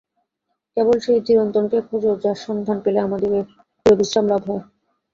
কেবল সেই চিরন্তনকে খোঁজ, যাঁর সন্ধান পেলে আমাদের চিরবিশ্রাম লাভ হয়।